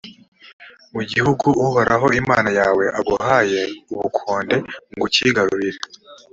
mu gihugu uhoraho imana yawe aguhayeho ubukonde ngo ucyigarurire,